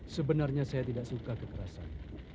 sebenarnya saya tidak suka kekerasan